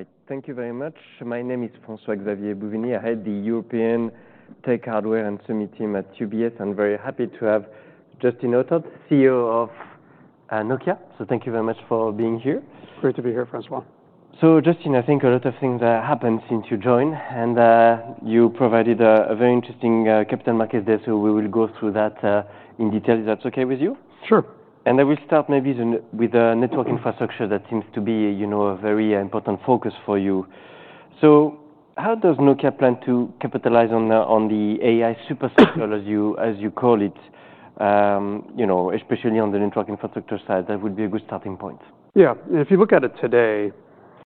All right. Thank you very much. My name is François-Xavier Bouvignies. I head the European Tech Hardware and Summit Team at UBS. I'm very happy to have Justin Hotard, CEO of Nokia. So thank you very much for being here. Great to be here, François. Justin, I think a lot of things have happened since you joined. You provided a very interesting capital markets there. We will go through that in detail, if that's okay with you. Sure. I will start maybe with the network infrastructure that seems to be a very important focus for you. So how does Nokia plan to capitalize on the AI superstructure, as you call it, especially on the network infrastructure side? That would be a good starting point. Yeah. If you look at it today,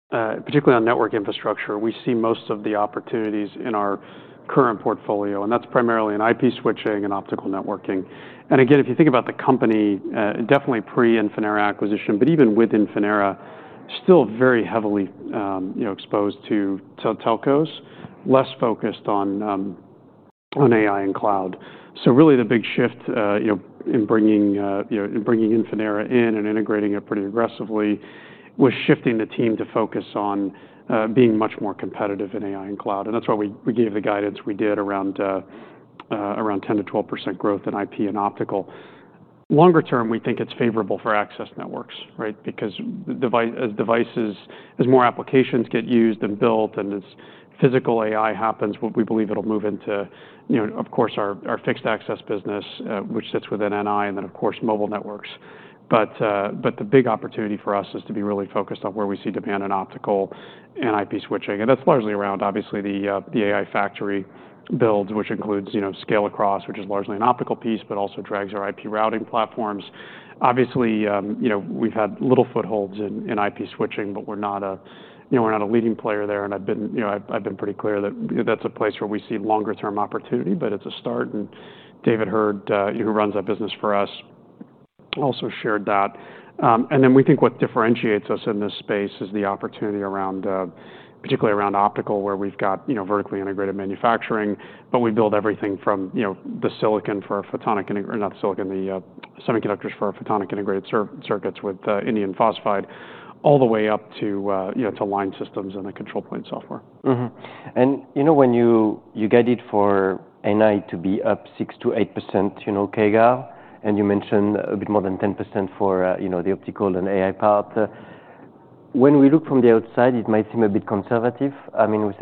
particularly on Network Infrastructure, we see most of the opportunities in our current portfolio. And that's primarily in IP switching and optical networking. And again, if you think about the company, definitely pre-Infinera acquisition, but even with Infinera, still very heavily exposed to telcos, less focused on AI and cloud. So really the big shift in bringing Infinera in and integrating it pretty aggressively was shifting the team to focus on being much more competitive in AI and cloud. And that's why we gave the guidance we did around 10%-12% growth in IP and optical. Longer term, we think it's favorable for access networks, right? Because as more applications get used and built, and physical AI happens, we believe it'll move into, of course, our fixed access business, which sits within NI, and then, of course, mobile networks. But the big opportunity for us is to be really focused on where we see demand in optical and IP switching. And that's largely around, obviously, the AI factory builds, which includes scale across, which is largely an optical piece, but also drags our IP routing platforms. Obviously, we've had little footholds in IP switching, but we're not a leading player there. And I've been pretty clear that that's a place where we see longer-term opportunity, but it's a start. And David Heard, who runs our business for us, also shared that. And then we think what differentiates us in this space is the opportunity around, particularly around optical, where we've got vertically integrated manufacturing, but we build everything from the silicon for photonic or not silicon, the semiconductors for photonic integrated circuits with indium phosphide, all the way up to line systems and the control point software. When you guided for NI to be up 6%-8%, Kagar, and you mentioned a bit more than 10% for the optical and AI part, when we look from the outside, it might seem a bit conservative. I mean, we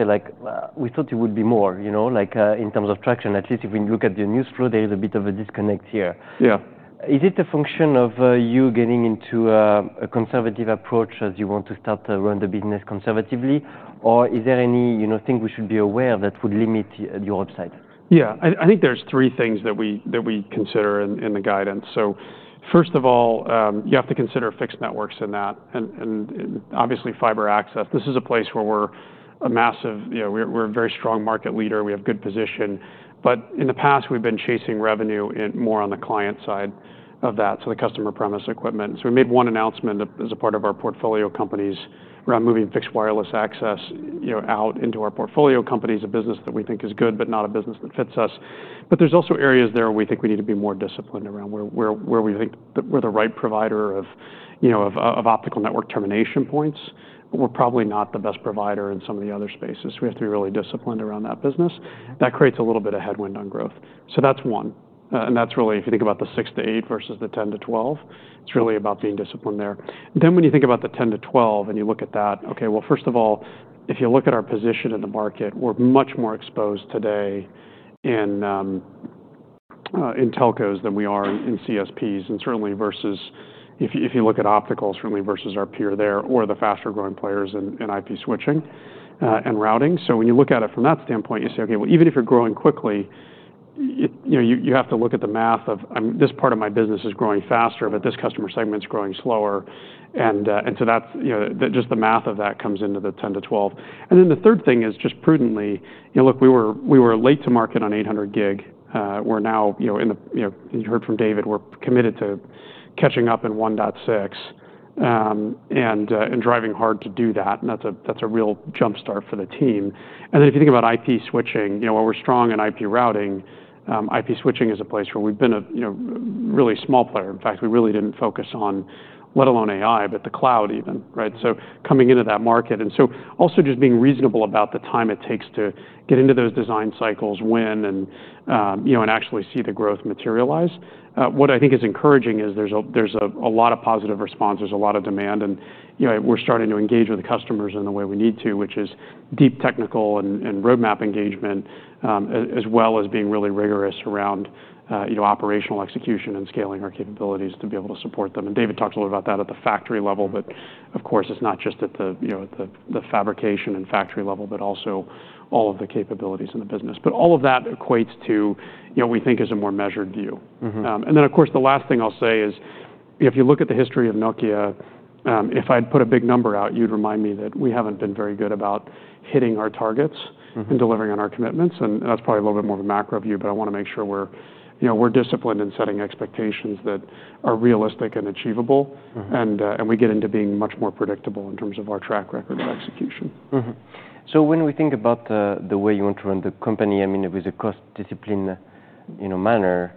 thought it would be more, like in terms of traction, at least if we look at the news flow, there is a bit of a disconnect here. Yeah. Is it a function of you getting into a conservative approach as you want to start to run the business conservatively? Or is there anything we should be aware of that would limit your upside? Yeah. I think there's three things that we consider in the guidance. So first of all, you have to consider fixed networks in that. And obviously, fiber access, this is a place where we're a very strong market leader. We have good position. But in the past, we've been chasing revenue more on the client side of that, so the customer premises equipment. So we made one announcement as a part of our portfolio companies around moving fixed wireless access out into our portfolio companies, a business that we think is good, but not a business that fits us. But there's also areas there where we think we need to be more disciplined around where we think we're the right provider of optical network termination points. But we're probably not the best provider in some of the other spaces. We have to be really disciplined around that business. That creates a little bit of headwind on growth. That's one. That's really, if you think about the six to eight versus the 10 to 12, it's really about being disciplined there. When you think about the 10 to 12 and you look at that, okay, well, first of all, if you look at our position in the market, we're much more exposed today in telcos than we are in CSPs, and certainly versus if you look at optical, certainly versus our peer there or the faster-growing players in IP switching and routing. When you look at it from that standpoint, you say, okay, well, even if you're growing quickly, you have to look at the math of this part of my business is growing faster, but this customer segment is growing slower. And so just the math of that comes into the 10 to 12. And then the third thing is just prudently, look, we were late to market on 800 gig. We're now, as you heard from David, we're committed to catching up in 1.6 and driving hard to do that. And that's a real jumpstart for the team. And then if you think about IP switching, while we're strong in IP routing, IP switching is a place where we've been a really small player. In fact, we really didn't focus on, let alone AI, but the cloud even, right? So coming into that market. And so also just being reasonable about the time it takes to get into those design cycles, when, and actually see the growth materialize. What I think is encouraging is there's a lot of positive response. There's a lot of demand. We're starting to engage with the customers in the way we need to, which is deep technical and roadmap engagement, as well as being really rigorous around operational execution and scaling our capabilities to be able to support them. David talked a little about that at the factory level, but of course, it's not just at the fabrication and factory level, but also all of the capabilities in the business. All of that equates to what we think is a more measured view. Then, of course, the last thing I'll say is, if you look at the history of Nokia, if I'd put a big number out, you'd remind me that we haven't been very good about hitting our targets and delivering on our commitments. And that's probably a little bit more of a macro view, but I want to make sure we're disciplined in setting expectations that are realistic and achievable. And we get into being much more predictable in terms of our track record of execution. So when we think about the way you want to run the company, I mean, with a cost-disciplined manner,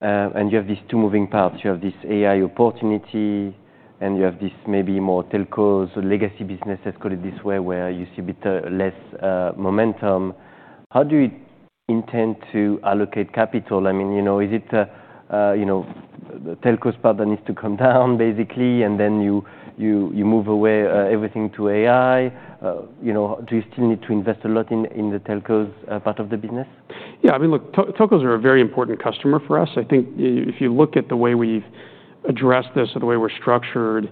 and you have these two moving parts. You have this AI opportunity, and you have this maybe more telcos or legacy business, let's call it this way, where you see a bit less momentum. How do you intend to allocate capital? I mean, is it the telcos part that needs to come down, basically, and then you move away everything to AI? Do you still need to invest a lot in the telcos part of the business? Yeah. I mean, look, telcos are a very important customer for us. I think if you look at the way we've addressed this or the way we're structured,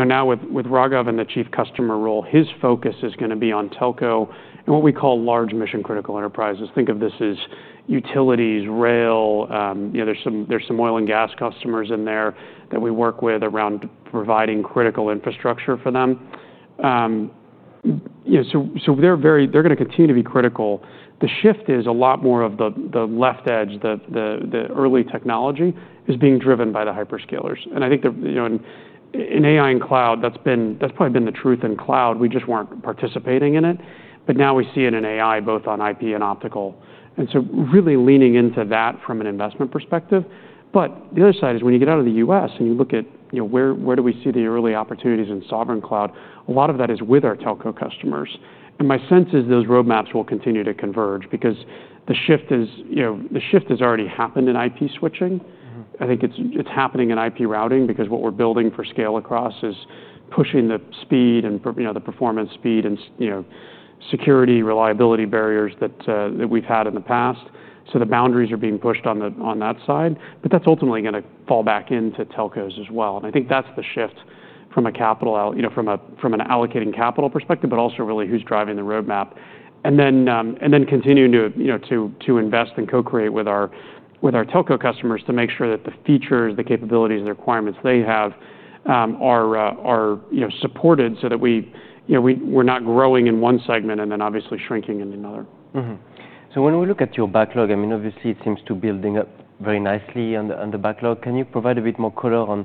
now with Raghav in the chief customer role, his focus is going to be on telco and what we call large mission-critical enterprises. Think of this as utilities, rail. There's some oil and gas customers in there that we work with around providing critical infrastructure for them. So they're going to continue to be critical. The shift is a lot more of the left edge, the early technology is being driven by the hyperscalers. And I think in AI and cloud, that's probably been the truth in cloud. We just weren't participating in it. But now we see it in AI, both on IP and optical. And so really leaning into that from an investment perspective. But the other side is when you get out of the U.S. and you look at where do we see the early opportunities in sovereign cloud, a lot of that is with our telco customers. And my sense is those roadmaps will continue to converge because the shift has already happened in IP switching. I think it's happening in IP routing because what we're building for scale across is pushing the speed and the performance speed and security, reliability barriers that we've had in the past. So the boundaries are being pushed on that side. But that's ultimately going to fall back into telcos as well. And I think that's the shift from an allocating capital perspective, but also really who's driving the roadmap. And then continuing to invest and co-create with our telco customers to make sure that the features, the capabilities, and the requirements they have are supported so that we're not growing in one segment and then obviously shrinking in another. So when we look at your backlog, I mean, obviously, it seems to be building up very nicely on the backlog. Can you provide a bit more color on,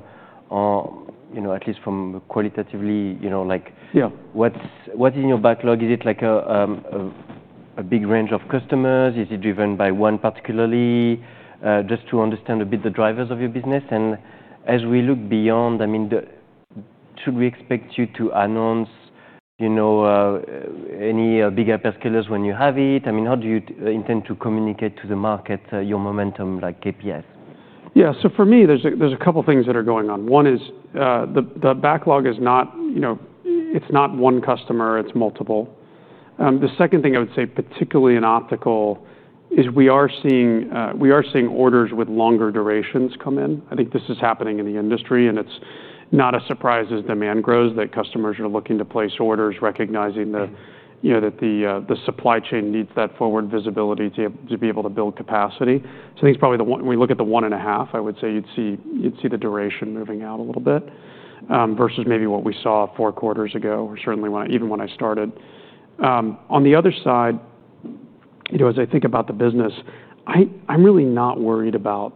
at least qualitatively, what's in your backlog? Is it like a big range of customers? Is it driven by one in particular? Just to understand a bit the drivers of your business. And as we look beyond, I mean, should we expect you to announce any bigger hyperscalers when you have it? I mean, how do you intend to communicate to the market your momentum, like KPIs? Yeah. So for me, there's a couple of things that are going on. One is the backlog is not it's not one customer. It's multiple. The second thing I would say, particularly in optical, is we are seeing orders with longer durations come in. I think this is happening in the industry. And it's not a surprise as demand grows that customers are looking to place orders, recognizing that the supply chain needs that forward visibility to be able to build capacity. So I think it's probably the one when we look at the one and a half. I would say you'd see the duration moving out a little bit versus maybe what we saw four quarters ago, or certainly even when I started. On the other side, as I think about the business, I'm really not worried about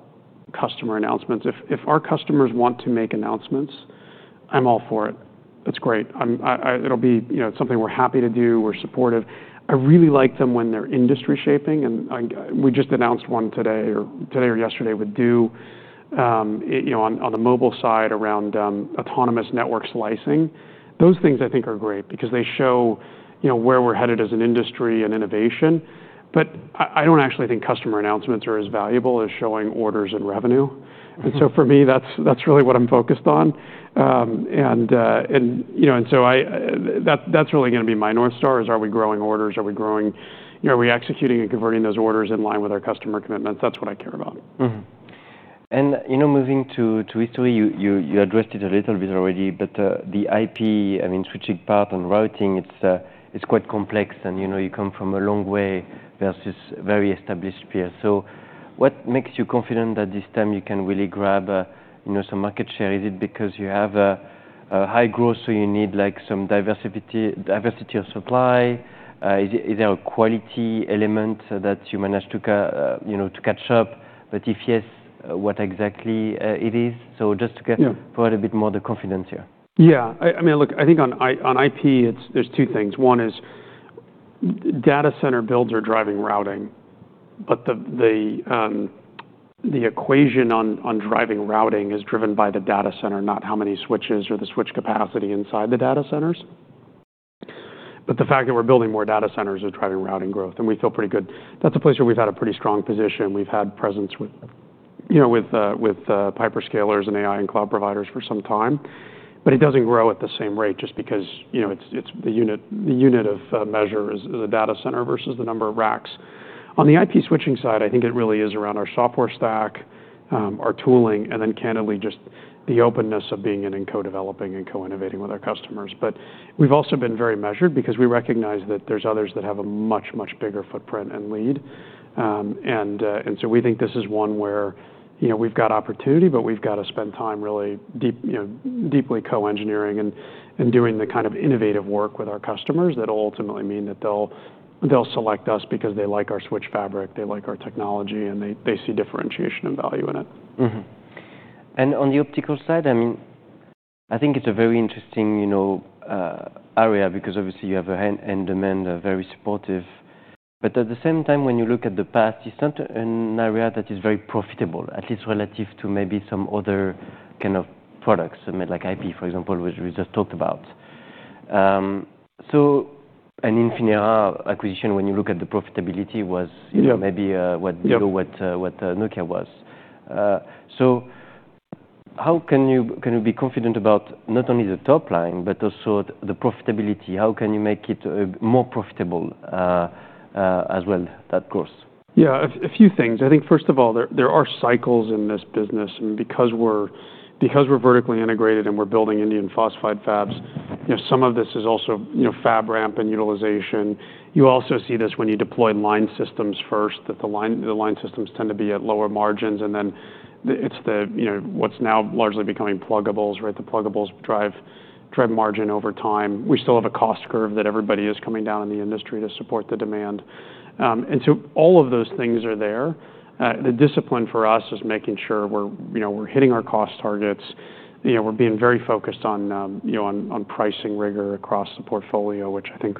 customer announcements. If our customers want to make announcements, I'm all for it. That's great. It'll be something we're happy to do. We're supportive. I really like them when they're industry shaping, and we just announced one today or yesterday with du on the mobile side around autonomous network slicing. Those things, I think, are great because they show where we're headed as an industry and innovation. But I don't actually think customer announcements are as valuable as showing orders and revenue, and so for me, that's really what I'm focused on, and so that's really going to be my North Star, is are we growing orders? Are we executing and converting those orders in line with our customer commitments? That's what I care about. Moving to history, you addressed it a little bit already, but the IP, I mean, switching part and routing, it's quite complex. You come from a long way versus very established peers. What makes you confident that this time you can really grab some market share? Is it because you have a high growth, so you need some diversity of supply? Is there a quality element that you manage to catch up? If yes, what exactly it is? Just to provide a bit more of the confidence here. Yeah. I mean, look, I think on IP, there are two things. One is data center builds are driving routing, but the equation on driving routing is driven by the data center, not how many switches or the switch capacity inside the data centers. But the fact that we're building more data centers is driving routing growth. And we feel pretty good. That's a place where we've had a pretty strong position. We've had presence with hyperscalers and AI and cloud providers for some time. But it doesn't grow at the same rate just because the unit of measure is a data center versus the number of racks. On the IP switching side, I think it really is around our software stack, our tooling, and then candidly, just the openness of being in and co-developing and co-innovating with our customers. But we've also been very measured because we recognize that there's others that have a much, much bigger footprint and lead. And so we think this is one where we've got opportunity, but we've got to spend time really deeply co-engineering and doing the kind of innovative work with our customers that will ultimately mean that they'll select us because they like our switch fabric, they like our technology, and they see differentiation and value in it. And on the optical side, I mean, I think it's a very interesting area because obviously you have high-end demand, very supportive. But at the same time, when you look at the past, it's not an area that is very profitable, at least relative to maybe some other kind of products, like IP, for example, which we just talked about. So an Infinera acquisition, when you look at the profitability, was maybe what Nokia was. So how can you be confident about not only the top line, but also the profitability? How can you make it more profitable as well, of course? Yeah, a few things. I think first of all, there are cycles in this business, and because we're vertically integrated and we're building indium phosphide fabs, some of this is also fab ramp and utilization. You also see this when you deploy line systems first, that the line systems tend to be at lower margins, and then it's what's now largely becoming pluggables, right? The pluggables drive margin over time. We still have a cost curve that everybody is coming down in the industry to support the demand, and so all of those things are there. The discipline for us is making sure we're hitting our cost targets. We're being very focused on pricing rigor across the portfolio, which I think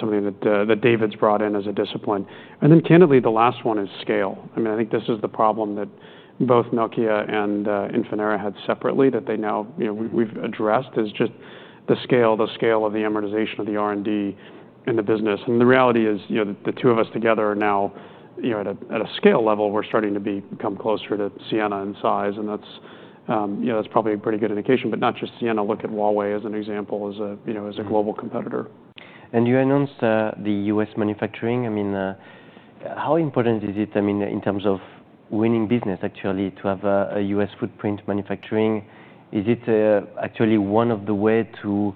something that David's brought in as a discipline, and then candidly, the last one is scale. I mean, I think this is the problem that both Nokia and Infinera had separately that they now we've addressed is just the scale, the scale of the amortization of the R&D in the business. And the reality is the two of us together are now at a scale level, we're starting to become closer to Ciena in size. And that's probably a pretty good indication, but not just Ciena. Look at Huawei as an example, as a global competitor. You announced the U.S. manufacturing. I mean, how important is it, I mean, in terms of winning business, actually, to have a U.S. footprint manufacturing? Is it actually one of the ways to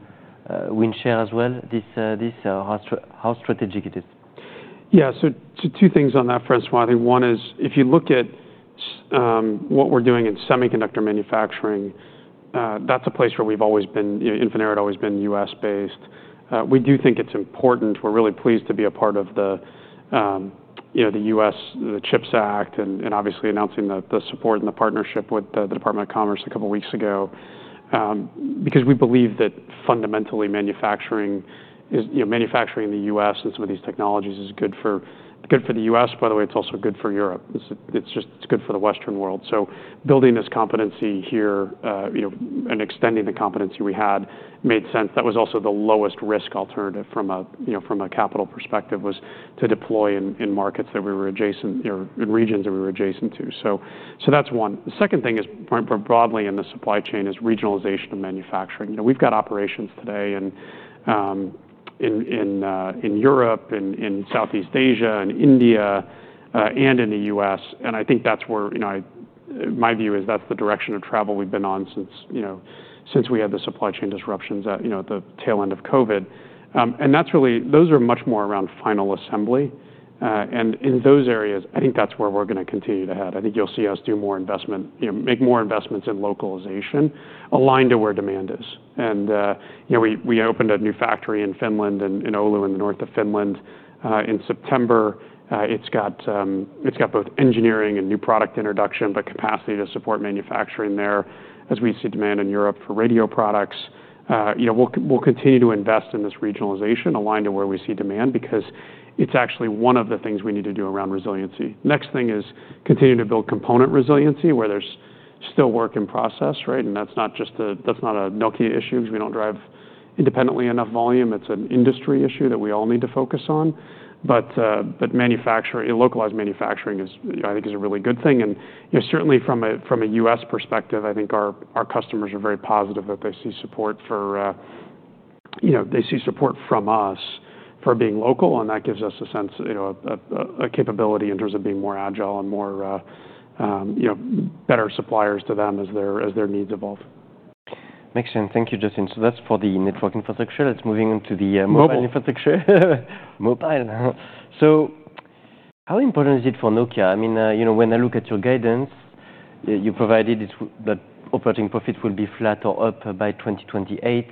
win share as well, how strategic it is? Yeah. So two things on that, first of all. I think one is if you look at what we're doing in semiconductor manufacturing, that's a place where we've always been. Infinera had always been US-based. We do think it's important. We're really pleased to be a part of the U.S., the CHIPS Act, and obviously announcing the support and the partnership with the Department of Commerce a couple of weeks ago because we believe that fundamentally manufacturing in the U.S. and some of these technologies is good for the U.S. By the way, it's also good for Europe. It's good for the Western world. So building this competency here and extending the competency we had made sense. That was also the lowest risk alternative from a capital perspective, was to deploy in markets that we were adjacent in regions that we were adjacent to. So that's one. The second thing is broadly in the supply chain is regionalization of manufacturing. We've got operations today in Europe, in Southeast Asia, in India, and in the United States. And I think that's where my view is that's the direction of travel we've been on since we had the supply chain disruptions at the tail end of COVID. And those are much more around final assembly. And in those areas, I think that's where we're going to continue to head. I think you'll see us do more investment, make more investments in localization aligned to where demand is. And we opened a new factory in Oulu, Finland in the north of Finland in September. It's got both engineering and new product introduction, but capacity to support manufacturing there as we see demand in Europe for radio products. We'll continue to invest in this regionalization aligned to where we see demand because it's actually one of the things we need to do around resiliency. The next thing is continue to build component resiliency where there's still work in process, right? And that's not a Nokia issue because we don't drive independently enough volume. It's an industry issue that we all need to focus on. But localized manufacturing, I think, is a really good thing. And certainly from a U.S. perspective, I think our customers are very positive that they see support from us for being local. And that gives us a sense, a capability in terms of being more agile and better suppliers to them as their needs evolve. Makes sense. Thank you, Justin. So that's for the network infrastructure. Let's move on to the mobile infrastructure. Mobile. So, how important is it for Nokia? I mean, when I look at your guidance, you provided that operating profit will be flat or up by 2028.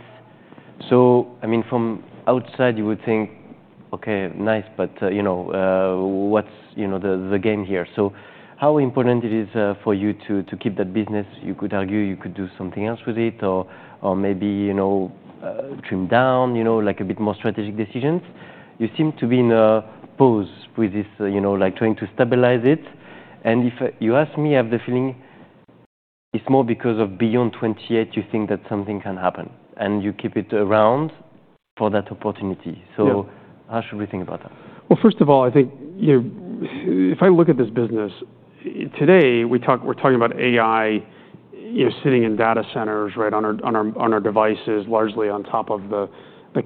So, I mean, from outside, you would think, "Okay, nice, but what's the game here?" So, how important it is for you to keep that business? You could argue you could do something else with it or maybe trim down, like a bit more strategic decisions. You seem to be in a pause with this, like trying to stabilize it. And if you ask me, I have the feeling it's more because of beyond 2028 you think that something can happen and you keep it around for that opportunity. So, how should we think about that? First of all, I think if I look at this business today, we're talking about AI sitting in data centers, right, on our devices, largely on top of the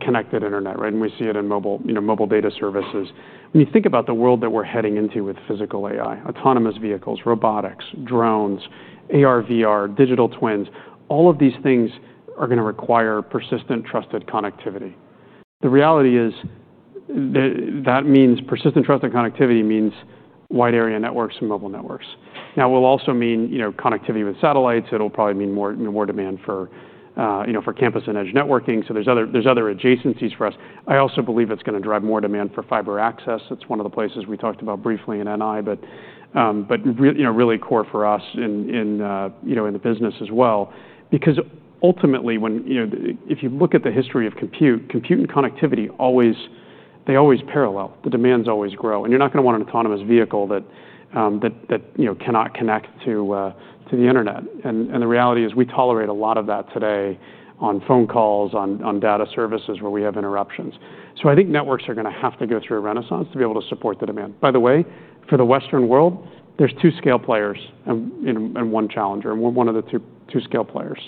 connected internet, right? We see it in mobile data services. When you think about the world that we're heading into with physical AI, autonomous vehicles, robotics, drones, AR, VR, digital twins, all of these things are going to require persistent trusted connectivity. The reality is that means persistent trusted connectivity means wide area networks and mobile networks. Now, it will also mean connectivity with satellites. It'll probably mean more demand for campus and edge networking. There's other adjacencies for us. I also believe it's going to drive more demand for fiber access. That's one of the places we talked about briefly in NI, but really core for us in the business as well. Because ultimately, if you look at the history of compute and connectivity, they always parallel. The demands always grow, and you're not going to want an autonomous vehicle that cannot connect to the internet, and the reality is we tolerate a lot of that today on phone calls, on data services where we have interruptions, so I think networks are going to have to go through a renaissance to be able to support the demand. By the way, for the Western world, there's two scale players and one challenger, one of the two scale players,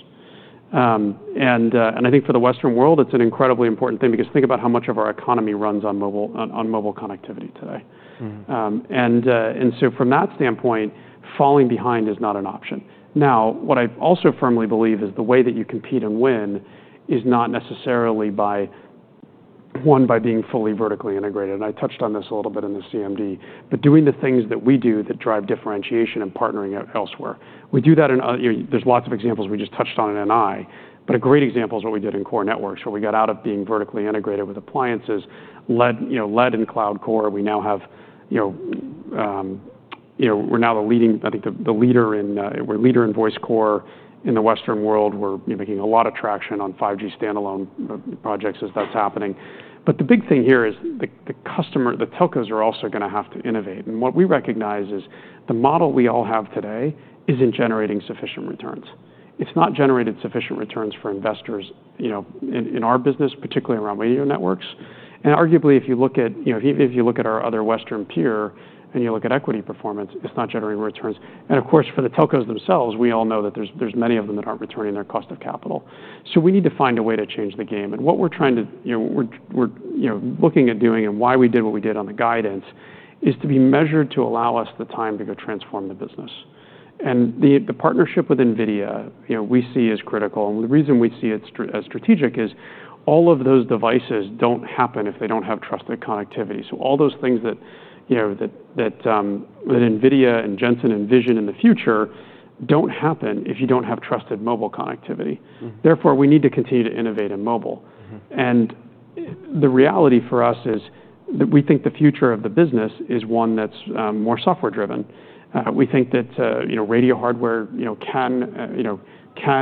and I think for the Western world, it's an incredibly important thing because think about how much of our economy runs on mobile connectivity today, and so from that standpoint, falling behind is not an option. Now, what I also firmly believe is the way that you compete and win is not necessarily by one, by being fully vertically integrated. And I touched on this a little bit in the CMD, but doing the things that we do that drive differentiation and partnering elsewhere. We do that. There's lots of examples we just touched on in NI. But a great example is what we did in core networks where we got out of being vertically integrated with appliances, led in cloud core. We're now the leader, I think, in voice core in the Western world. We're making a lot of traction on 5G standalone projects as that's happening. But the big thing here is the telcos are also going to have to innovate. And what we recognize is the model we all have today isn't generating sufficient returns. It's not generated sufficient returns for investors in our business, particularly around radio networks. And arguably, if you look at our other Western peer and you look at equity performance, it's not generating returns. And of course, for the telcos themselves, we all know that there's many of them that aren't returning their cost of capital. So we need to find a way to change the game. And what we're looking at doing and why we did what we did on the guidance is to be measured to allow us the time to go transform the business. And the partnership with NVIDIA we see as critical. And the reason we see it as strategic is all of those devices don't happen if they don't have trusted connectivity. So all those things that NVIDIA and Jensen envision in the future don't happen if you don't have trusted mobile connectivity. Therefore, we need to continue to innovate in mobile. And the reality for us is that we think the future of the business is one that's more software-driven. We think that radio hardware can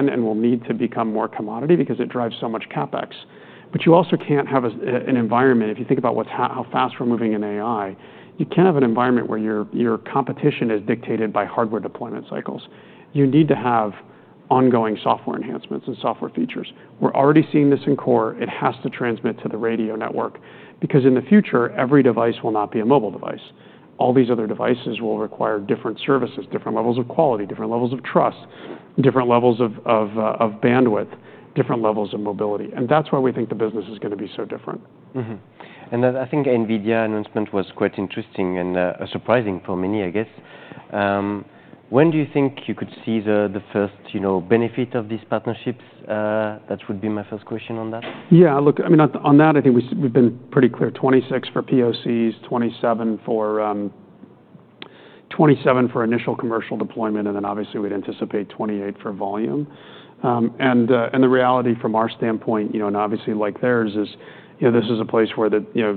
and will need to become more commodity because it drives so much CapEx. But you also can't have an environment, if you think about how fast we're moving in AI, you can't have an environment where your competition is dictated by hardware deployment cycles. You need to have ongoing software enhancements and software features. We're already seeing this in core. It has to transmit to the radio network because in the future, every device will not be a mobile device. All these other devices will require different services, different levels of quality, different levels of trust, different levels of bandwidth, different levels of mobility, and that's why we think the business is going to be so different. I think NVIDIA announcement was quite interesting and surprising for many, I guess. When do you think you could see the first benefit of these partnerships? That would be my first question on that. Yeah. Look, I mean, on that, I think we've been pretty clear, 2026 for POCs, 2027 for initial commercial deployment, and then obviously we'd anticipate 2028 for volume. And the reality from our standpoint, and obviously like theirs, is this is a place where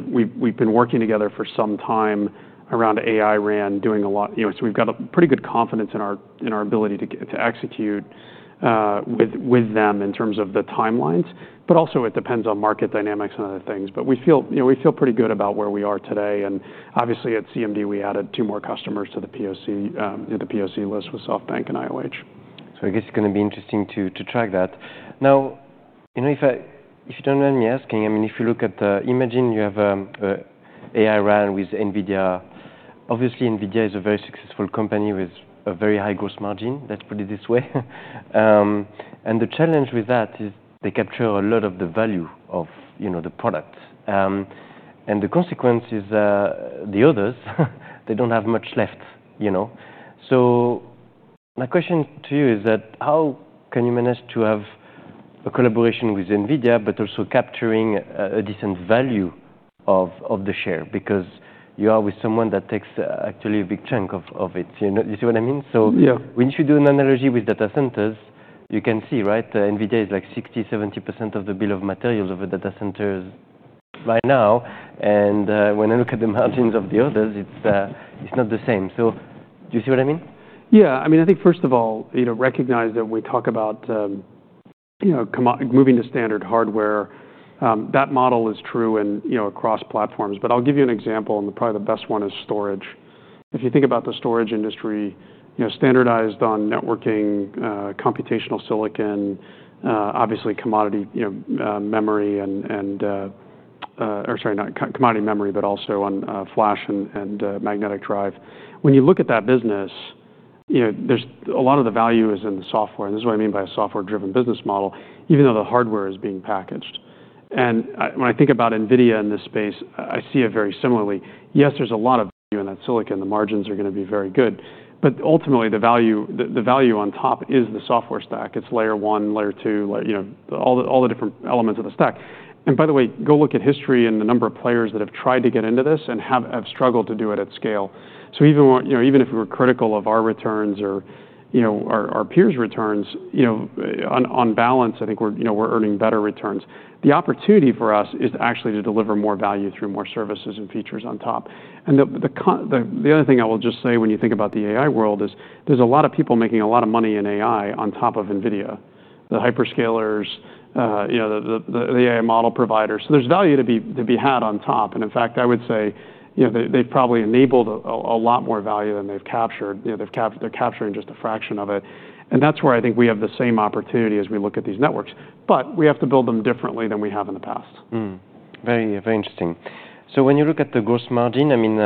we've been working together for some time around AI RAN doing a lot. So we've got a pretty good confidence in our ability to execute with them in terms of the timelines, but also it depends on market dynamics and other things. But we feel pretty good about where we are today. And obviously at CMD, we added two more customers to the POC list with SoftBank and IOH. I guess it's going to be interesting to track that. Now, if you don't mind me asking, I mean, if you look at Imagine, you have AI RAN with NVIDIA. Obviously, NVIDIA is a very successful company with a very high gross margin. Let's put it this way. The challenge with that is they capture a lot of the value of the product. The consequence is the others, they don't have much left. My question to you is that how can you manage to have a collaboration with NVIDIA, but also capturing a decent value of the share? Because you are with someone that takes actually a big chunk of it. You see what I mean? Yeah. So when you do an analogy with data centers, you can see, right, NVIDIA is like 60%-70% of the bill of materials of a data center right now. And when I look at the margins of the others, it's not the same. So do you see what I mean? Yeah. I mean, I think first of all, recognize that when we talk about moving to standard hardware, that model is true across platforms. But I'll give you an example, and probably the best one is storage. If you think about the storage industry, standardized on networking, computational silicon, obviously commodity memory and or sorry, not commodity memory, but also on flash and magnetic drive. When you look at that business, a lot of the value is in the software. And this is what I mean by a software-driven business model, even though the hardware is being packaged. And when I think about NVIDIA in this space, I see it very similarly. Yes, there's a lot of value in that silicon. The margins are going to be very good. But ultimately, the value on top is the software stack. It's layer one, layer two, all the different elements of the stack. And by the way, go look at history and the number of players that have tried to get into this and have struggled to do it at scale. So even if we were critical of our returns or our peers' returns, on balance, I think we're earning better returns. The opportunity for us is actually to deliver more value through more services and features on top. And the other thing I will just say when you think about the AI world is there's a lot of people making a lot of money in AI on top of NVIDIA, the hyperscalers, the AI model providers. So there's value to be had on top. And in fact, I would say they've probably enabled a lot more value than they've captured. They're capturing just a fraction of it. And that's where I think we have the same opportunity as we look at these networks. But we have to build them differently than we have in the past. Very interesting. So when you look at the gross margin, I mean,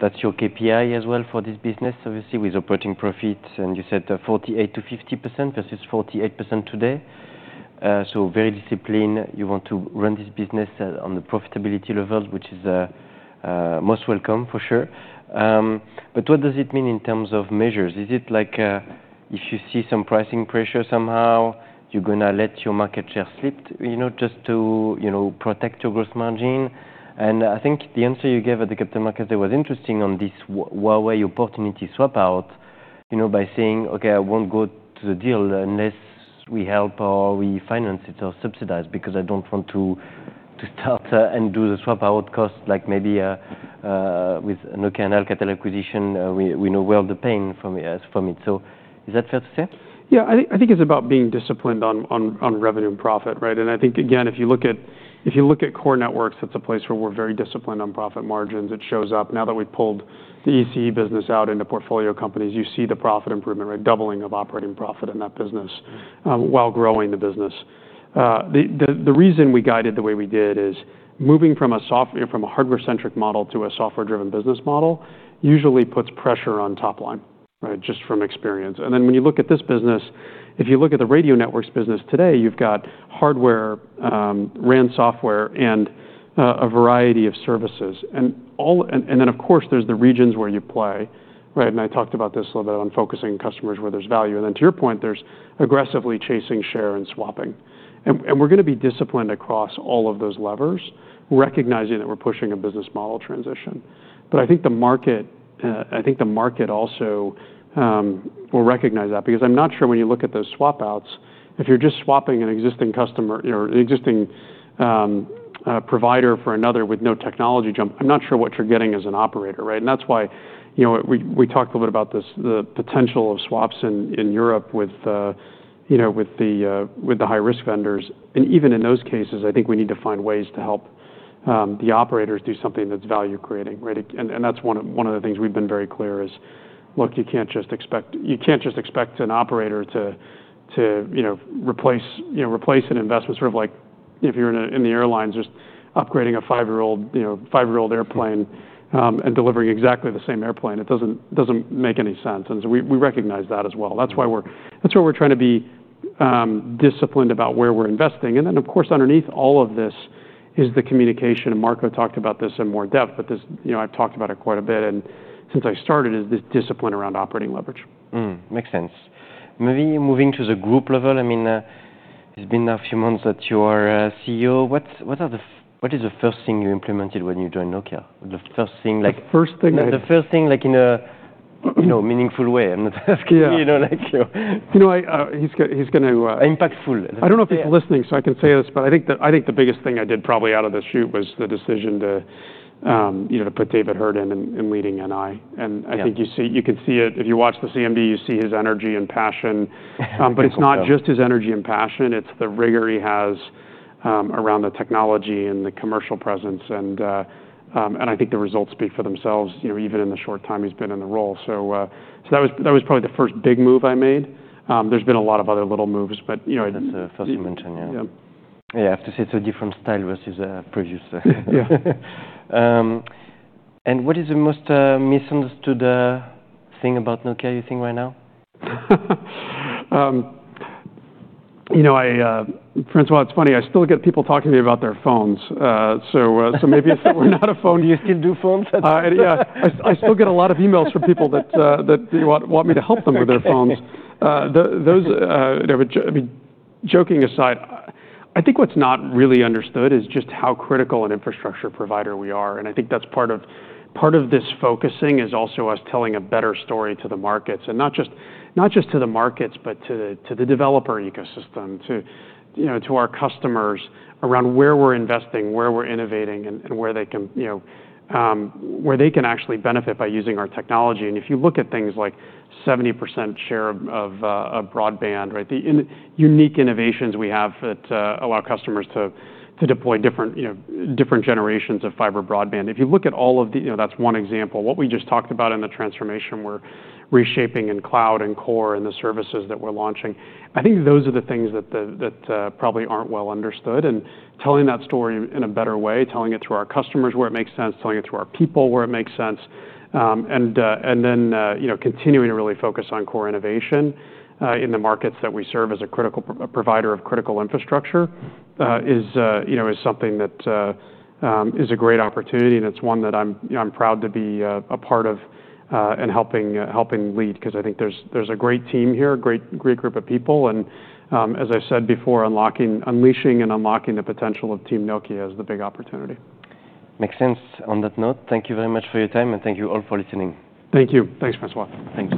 that's your KPI as well for this business, obviously with operating profits, and you said 48%-50% versus 48% today. So very disciplined. You want to run this business on the profitability levels, which is most welcome for sure. But what does it mean in terms of measures? Is it like if you see some pricing pressure somehow, you're going to let your market share slip just to protect your gross margin? And I think the answer you gave at the Capital Markets Day was interesting on this Huawei Opportunity Swap Out by saying, "Okay, I won't go to the deal unless we help or we finance it or subsidize because I don't want to start and do the swap out cost like maybe with Nokia and Alcatel acquisition. We know well the pain from it." So is that fair to say? Yeah. I think it's about being disciplined on revenue and profit, right? And I think, again, if you look at core networks, it's a place where we're very disciplined on profit margins. It shows up now that we've pulled the ECE business out into portfolio companies, you see the profit improvement, right? Doubling of operating profit in that business while growing the business. The reason we guided the way we did is moving from a hardware-centric model to a software-driven business model usually puts pressure on top line, right? Just from experience. And then when you look at this business, if you look at the radio networks business today, you've got hardware, RAN software, and a variety of services. And then, of course, there's the regions where you play, right? And I talked about this a little bit on focusing customers where there's value. And then, to your point, there's aggressively chasing share and swapping. And we're going to be disciplined across all of those levers, recognizing that we're pushing a business model transition. But I think the market, I think the market also will recognize that because I'm not sure when you look at those swap outs, if you're just swapping an existing customer or an existing provider for another with no technology jump, I'm not sure what you're getting as an operator, right? And that's why we talked a little bit about the potential of swaps in Europe with the high-risk vendors. And even in those cases, I think we need to find ways to help the operators do something that's value-creating, right? And that's one of the things we've been very clear is, look, you can't just expect an operator to replace an investment. Sort of like if you're in the airlines just upgrading a five-year-old airplane and delivering exactly the same airplane, it doesn't make any sense. And so we recognize that as well. That's why we're trying to be disciplined about where we're investing. And then, of course, underneath all of this is the communication. And Marco talked about this in more depth, but I've talked about it quite a bit. And since I started, it's this discipline around operating leverage. Makes sense. Moving to the group level, I mean, it's been a few months that you are CEO. What is the first thing you implemented when you joined Nokia? The first thing like. The first thing that. The first thing like in a meaningful way. I'm not asking. You know he's going to. Impactful. I don't know if he's listening, so I can say this, but I think the biggest thing I did probably out of this shoot was the decision to put David Heard in and leading NI, and I think you could see it. If you watch the CMD, you see his energy and passion, but it's not just his energy and passion. It's the rigor he has around the technology and the commercial presence, and I think the results speak for themselves, even in the short time he's been in the role, so that was probably the first big move I made. There's been a lot of other little moves, but. That's the first you mentioned, yeah. Yeah. Yeah. I have to say it's a different style versus the previous. Yeah. What is the most misunderstood thing about Nokia, you think, right now? You know, François, it's funny. I still get people talking to me about their phones. So maybe if we're not a phone, do you still do phones? Yeah. I still get a lot of emails from people that want me to help them with their phones. Joking aside, I think what's not really understood is just how critical an infrastructure provider we are. And I think that's part of this focusing is also us telling a better story to the markets. And not just to the markets, but to the developer ecosystem, to our customers around where we're investing, where we're innovating, and where they can actually benefit by using our technology. And if you look at things like 70% share of broadband, right, the unique innovations we have that allow customers to deploy different generations of fiber broadband. If you look at all of the, that's one example. What we just talked about in the transformation we're reshaping in cloud and core and the services that we're launching, I think those are the things that probably aren't well understood, and telling that story in a better way, telling it to our customers where it makes sense, telling it to our people where it makes sense, and then continuing to really focus on core innovation in the markets that we serve as a provider of critical infrastructure is something that is a great opportunity, and it's one that I'm proud to be a part of and helping lead because I think there's a great team here, a great group of people, and as I said before, unleashing and unlocking the potential of Team Nokia is the big opportunity. Makes sense on that note. Thank you very much for your time, and thank you all for listening. Thank you. Thanks, François..